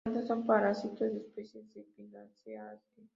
Las plantas son parásitos de especies de "Pinaceae".